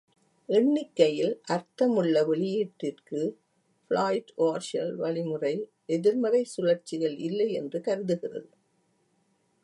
எண்ணிக்கையில் அர்த்தமுள்ள வெளியீட்டிற்கு, ஃபிலாய்ட்-வார்ஷல் வழிமுறை எதிர்மறை சுழற்சிகள் இல்லை என்று கருதுகிறது.